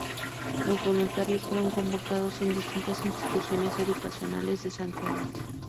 Los voluntarios fueron convocados en distintas instituciones educacionales de Santiago.